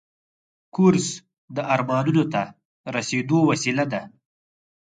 کورس د ارمانونو ته رسیدو وسیله ده.